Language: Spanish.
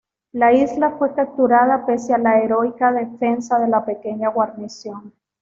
La isla fue capturada pese a la heroica defensa de la pequeña guarnición.